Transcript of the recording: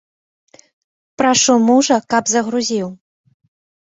Прашу мужа, каб загрузіў.